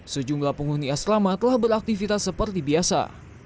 sejumlah penghuni asrama telah beraktivitas seperti biasa